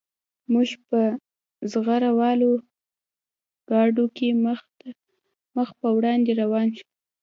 موږ په زغره والو ګاډو کې مخ په وړاندې روان وو